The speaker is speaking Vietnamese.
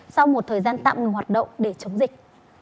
sau một thời gian tạm ngừng hoạt động để chống dịch